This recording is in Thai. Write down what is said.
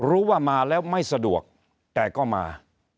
แบบรู้ว่ามาแล้วไม่สะดวกแต่ก็มา